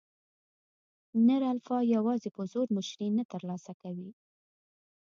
نر الفا یواځې په زور مشري نه تر لاسه کوي.